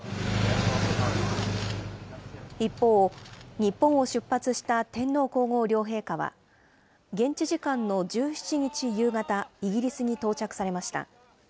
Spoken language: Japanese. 一方、日本を出発した天皇皇后両陛下は、現地時間の１７日夕方、イギリスに到着されました。